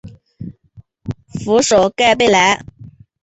首府盖贝莱。